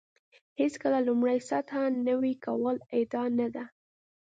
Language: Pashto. هېڅکله لومړۍ سطح نوي کول ادعا نه ده.